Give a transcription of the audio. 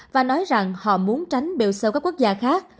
và nói rằng họ muốn tránh đều sâu các quốc gia khác